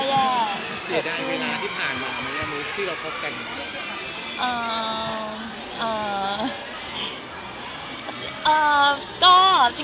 เสียดายเวลาที่ผ่านมามั้ยมุกที่เราพบกัน